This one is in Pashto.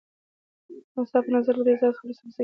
نو ستا په نظر له دې څخه وروسته به څه کېږي؟